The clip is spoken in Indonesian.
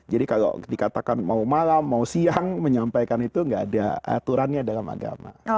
jadi kalau dikatakan mau malam mau siang menyampaikan itu tidak ada aturannya dalam agama